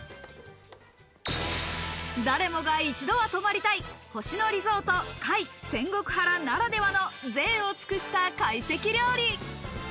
誰もが一度は泊まりたい「星野リゾート界仙石原」ならではの贅を尽くした会席料理。